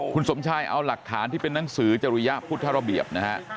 คุณสมชายเอาหลักฐานที่เป็นนังสือจริยะพุทธระเบียบนะฮะ